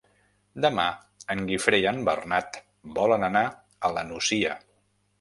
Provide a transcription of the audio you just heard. Demà en Guifré i en Bernat volen anar a la Nucia.